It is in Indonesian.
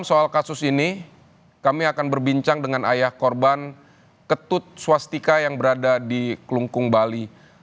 soal kasus ini kami akan berbincang dengan ayah korban ketut swastika yang berada di kelungkung bali